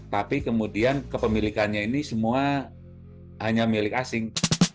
tapi kemudian kepemilikannya ini semua hanya milik asing